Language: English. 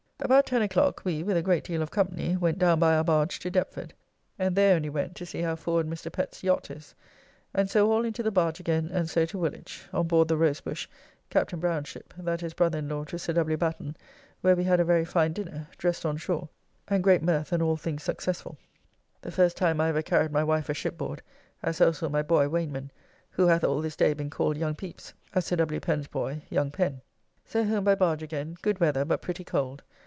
About 10 o'clock we, with a great deal of company, went down by our barge to Deptford, and there only went to see how forward Mr. Pett's yacht is; and so all into the barge again, and so to Woolwich, on board the Rose bush, Captain Brown's' ship, that is brother in law to Sir W. Batten, where we had a very fine dinner, dressed on shore, and great mirth and all things successfull; the first time I ever carried my wife a ship board, as also my boy Wayneman, who hath all this day been called young Pepys, as Sir W. Pen's boy young Pen. So home by barge again; good weather, but pretty cold.